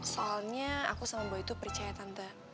soalnya aku sama bahwa itu percaya tante